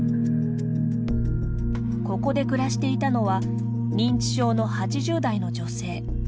ここで暮らしていたのは認知症の８０代の女性。